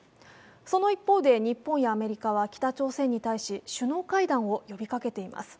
その一方で日本やアメリカは北朝鮮に対し首脳会談を呼びかけています。